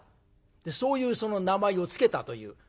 そういう名前を付けたという。